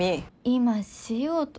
今しようと。